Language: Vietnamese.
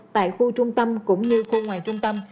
tại khu trung tâm cũng như khu ngoài trung tâm